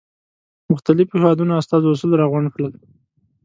مختلفو هېوادونو استازو اصول را غونډ کړل.